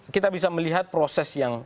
kita bisa melihat proses yang